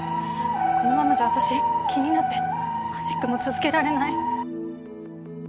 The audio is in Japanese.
このままじゃ私気になってマジックも続けられない。